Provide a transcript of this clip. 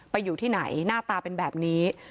อยู่ที่ไหนหน้าตาเป็นแบบนี้